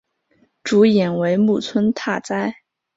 主演为木村拓哉。